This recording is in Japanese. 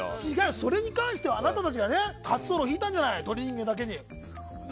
それに関してはあなたたちが滑走路を敷いたんじゃない。